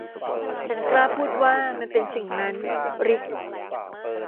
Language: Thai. ฉันกล้าพูดว่ามันเป็นสิ่งนั้น ริค